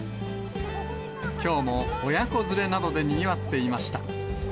きょうも親子連れなどでにぎわっていました。